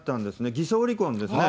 偽装離婚ですね。